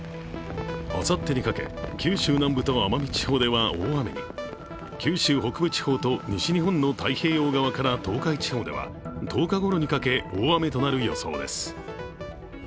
あさってにかけ、九州南部と奄美地方では大雨に、九州北部地方と西日本の太平洋側と東海地方では、１０日ごろにかけ大雨となる予想です。